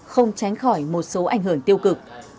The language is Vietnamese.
không tránh khỏi một số ảnh hưởng tiêu cực